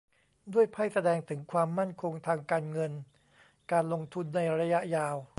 ด้วยไพ่แสดงถึงความมั่นคงทางการเงินการลงทุนในระยะยาว